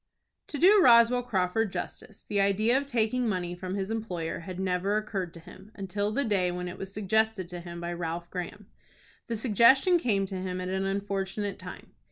To do Roswell Crawford justice, the idea of taking money from his employer had never occurred to him until the day when it was suggested to him by Ralph Graham. The suggestion came to him at an unfortunate time.